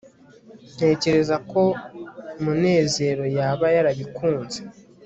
ntekereza ko munezero yaba yarabikunze